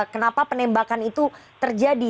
kenapa penembakan itu terjadi